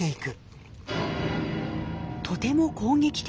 とても攻撃的。